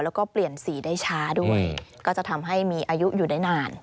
แล้วก็เปลี่ยนสีได้ช้าด้วยก็จะทำให้มีอายุอยู่ได้นาน